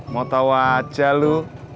mau tau aja lu